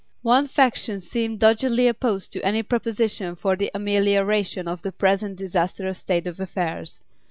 One faction seemed doggedly opposed to any proposition for the amelioration of the present disastrous state of affairs.